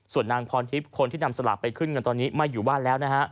ส่วนนางพรทิพย์คนที่นำสลากไปขึ้นเงินตอนนี้ไม่อยู่บ้านแล้วนะฮะ